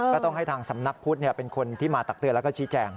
ก็ต้องให้ทางสำนักพุทธเป็นคนที่มาตักเตือนแล้วก็ชี้แจง